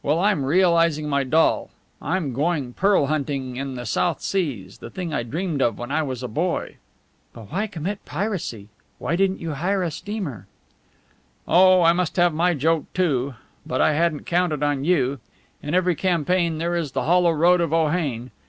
Well, I'm realizing my doll. I am going pearl hunting in the South Seas the thing I dreamed of when I was a boy." "But why commit piracy? Why didn't you hire a steamer?" "Oh, I must have my joke, too. But I hadn't counted on you. In every campaign there is the hollow road of Ohain.